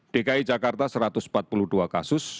dki jakarta satu ratus empat puluh dua kasus